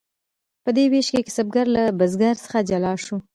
په دې ویش کې کسبګر له بزګر څخه جلا شو.